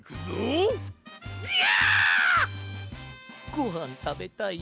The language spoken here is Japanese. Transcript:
ごはんたべたい？